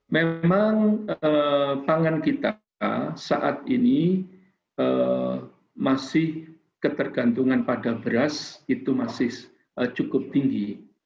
memang pangan kita saat ini masih ketergantungan pada beras itu masih cukup tinggi